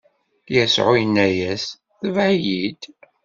Yasuɛ inna-as: Tbeɛ-iyi-d!